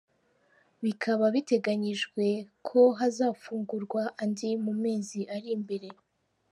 Bikaba biteganijwe ko hazafungurwa andi mu mezi ari imbere.